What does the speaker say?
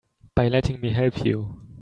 By letting me help you.